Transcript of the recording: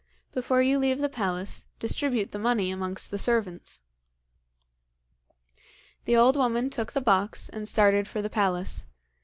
Before you leave the palace distribute the money amongst the servants.' The old woman took the box and started for the palace.